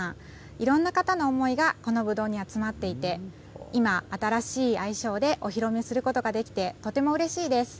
いろんな方の思いがこのぶどうに集まっていて今、新しい愛称でお披露目することができてとてもうれしいです。